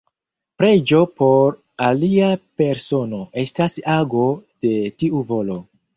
Preĝo por alia persono estas ago de tiu volo.